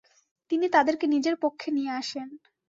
তিনি তাদেরকে নিজের পক্ষে নিয়ে আসেন।